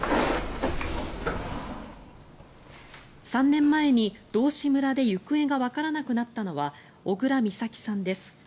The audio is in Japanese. ３年前に道志村で行方がわからなくなったのは小倉美咲さんです。